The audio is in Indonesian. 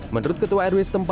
menurut ketua rw s empat